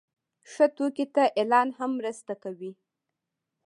ښه توکي ته اعلان هم مرسته کوي.